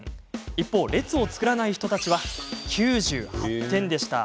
一方、列を作らない人たちは９８点でした。